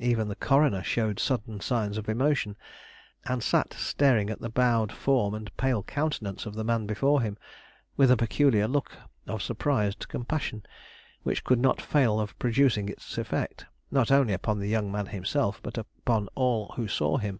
Even the coroner showed sudden signs of emotion, and sat staring at the bowed form and pale countenance of the man before him, with a peculiar look of surprised compassion, which could not fail of producing its effect, not only upon the young man himself, but upon all who saw him.